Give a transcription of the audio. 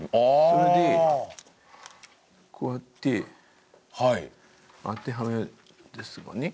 それでこうやって当てはめるんですよね